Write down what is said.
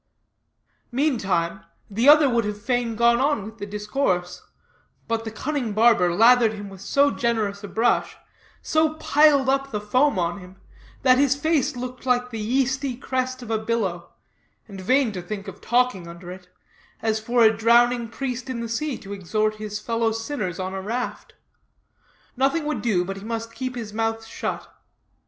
Meantime, the other would have fain gone on with the discourse; but the cunning barber lathered him with so generous a brush, so piled up the foam on him, that his face looked like the yeasty crest of a billow, and vain to think of talking under it, as for a drowning priest in the sea to exhort his fellow sinners on a raft. Nothing would do, but he must keep his mouth shut.